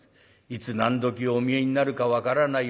いつ何どきお見えになるか分からない